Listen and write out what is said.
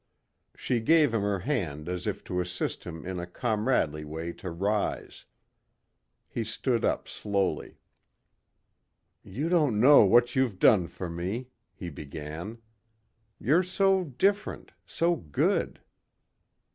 She gave him her hand as if to assist him in a comradely way to rise. He stood up slowly. "You don't know what you've done for me," he began, "you're so different ... so good."